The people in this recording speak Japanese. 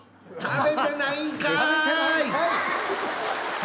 食べてないんかい！